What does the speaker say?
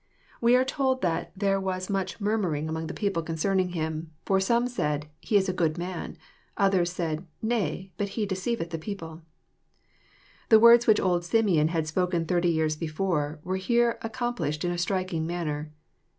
We are told that " there was much murmuring 4 EXPOsrroBY thoughts, among the people concerning him : for some said, He is a good man : others said, Nay, but he deceiveth the people " The words which old Simeon had spoken thirty years be fore were here accomplished in a striking manner.